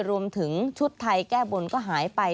รวมถึงชุดไทยแก้บนก็หายไป